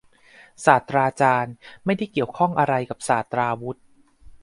ศาสตราจารย์ ไม่ได้เกี่ยวข้องอะไรกับศาสตราวุธ